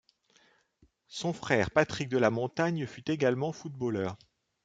Son frère Patrick Delamontagne fut également footballeur.